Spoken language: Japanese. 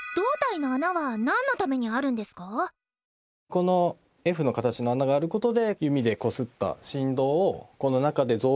このｆの形の穴があることで弓でこすった振動をこの中で増幅させ